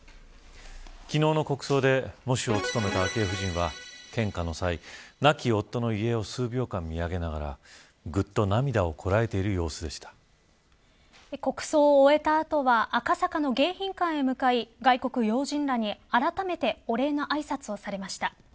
昨日の国葬で喪主を務めた昭恵夫人は献花の際、亡き夫の慰霊を数秒間眺めながらぐっと涙をこらえている国葬を終えた後は赤坂の迎賓館へ向かい外国要人らに、あらためてお礼のあいさつをされました。